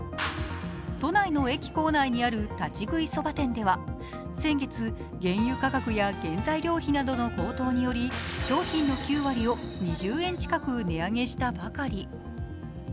都内の駅構内にある立ち食いそば店では先月、原油価格や原材料費などの高騰により商品の９割を２０円近く値上げしたばかり。